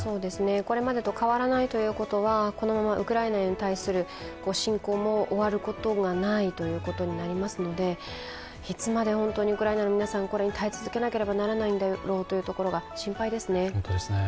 これまでと変わらないということは、このままウクライナに対する侵攻も終わることがないということになりますので、いつまで本当にウクライナの皆さんこれに耐え続けなければいけないんだろうというところが心配です。